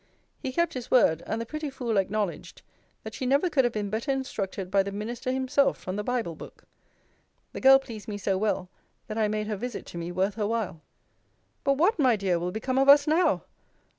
He kept his word; and the pretty fool acknowledged, that she never could have been better instructed by the minister himself from the bible book! The girl pleased me so well, that I made her visit to me worth her while. But what, my dear, will become of us now?